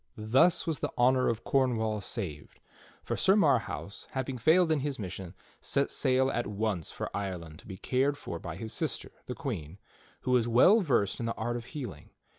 Thus was the honor of Cornwall saved; for Sir Marhaus, hav ing failed in his mission, set sail at once for Ireland to be cared for by his sister, the Queen, who was well versed in the art of healing.